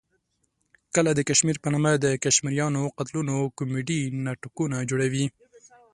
کله د کشمیر په نامه د کشمیریانو قتلونه کومیډي ناټکونه جوړوي.